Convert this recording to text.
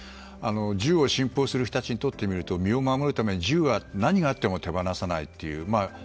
銃を信奉する人たちにとってみると身を守るために銃は何があっても手放さないという。